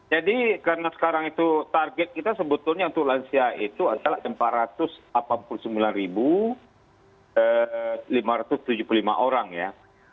jadi karena sekarang itu target kita sebetulnya untuk lansia itu adalah empat ratus delapan puluh sembilan lima ratus tujuh puluh lima orang ya